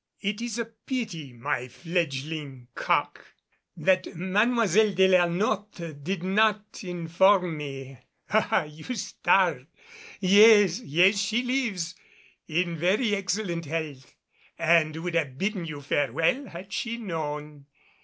"It is a pity, my fledgling cock, that Mademoiselle de la Notte did not inform me ah! you start. Yes, yes, she lives in very excellent health and would have bidden you farewell, had she known.